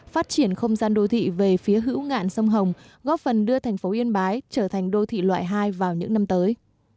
phát triển không gian đô thị về phía hữu ngạn sông hồng góp phần đưa thành phố yên bái trở thành đô thị loại hai vào những năm tới